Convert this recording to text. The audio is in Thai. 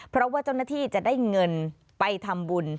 เพราะว่าเจ้าหน้าที่จะได้เงินไปทำบุญ